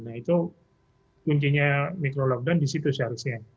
nah itu kuncinya micro lockdown disitu seharusnya